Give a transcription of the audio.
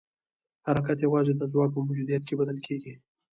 حرکت یوازې د ځواک په موجودیت کې بدل کېږي.